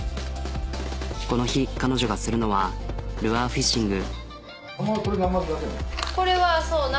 この日彼女がするのはルアーフィッシング。